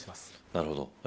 なるほど。